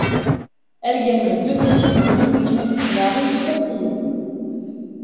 Elle gagne deux défis dans l'émission et arrive quatrième.